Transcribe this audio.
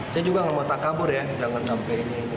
saya juga gak mau takabur ya jangan sampai ini